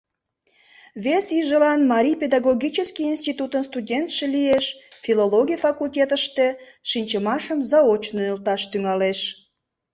Вес ийжылан Марий педагогический институтын студентше лиеш — филологий факультетыште шинчымашым заочно нӧлташ тӱҥалеш.